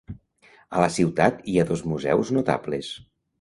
A la ciutat hi ha dos museus notables.